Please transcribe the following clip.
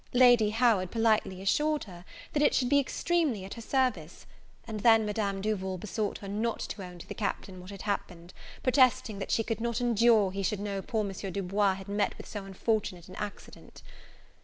Lady Howard politely assured her, that it should be extremely at her service; and then Madame Duval besought her not to own to the Captain what had happened, protesting that she could not endure he should know poor M. Du Bois had met with so unfortunate an accident.